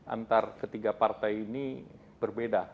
antar ketiga partai ini berbeda